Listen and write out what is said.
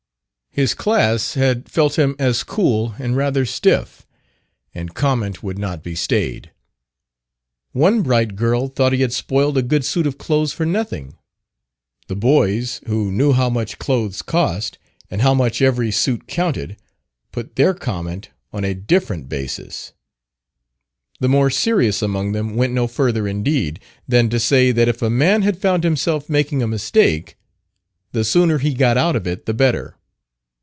His class had felt him as cool and rather stiff, and comment would not be stayed. One bright girl thought he had spoiled a good suit of clothes for nothing. The boys, who knew how much clothes cost, and how much every suit counted, put their comment on a different basis. The more serious among them went no further, indeed, than to say that if a man had found himself making a mistake, the sooner he got out of it the better.